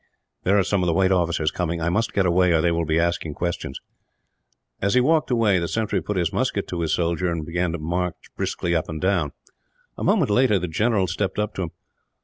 "There are some of the white officers coming. I must get away, or they will be asking questions." As he walked away, the sentry put his musket to his shoulder and began to march briskly up and down. A moment later the general stepped up to him.